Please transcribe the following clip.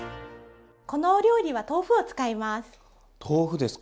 このお料理は豆腐を使います。